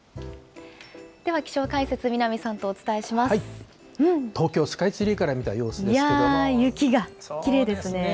では気象解説、南さんとお伝えし東京スカイツリーから見た様いやー、雪がきれいですね。